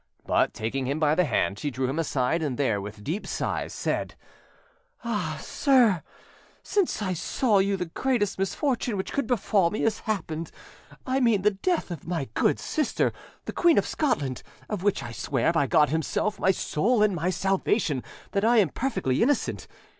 But, taking him by the hand, she drew him aside, and there, with deep sighs, said— "Ah! sir, since I saw you the greatest misfortune which could befall me has happened: I mean the death of my good sister, the Queen of Scotland, of which I swear by God Himself, my soul and my salvation, that I am perfectly innocent.